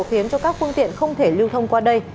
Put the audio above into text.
khiến cho các phương tiện không thể lưu thông qua đây